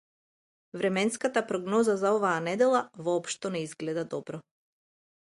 Временската прогноза за оваа недела воопшто не изгледа добро.